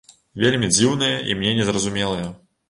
Вельмі дзіўныя, і мне не зразумелыя.